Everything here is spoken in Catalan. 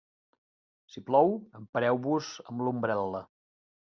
Si plou, empareu-vos amb l'ombrel·la.